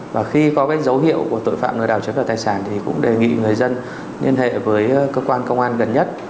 và khi có cái dấu hiệu của tội phạm lừa đảo chiếm đoạt tài sản thì cũng đề nghị người dân liên hệ với cơ quan công an gần nhất